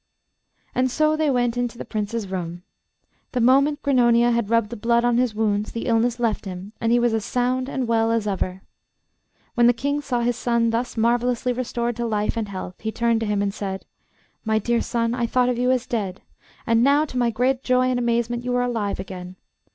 And so they went into the Prince's room. The moment Grannonia had rubbed the blood on his wounds the illness left him, and he was as sound and well as ever. When the King saw his son thus marvellously restored to life and health, he turned to him and said: 'My dear son, I thought of you as dead, and now, to my great joy and amazement, you are alive again.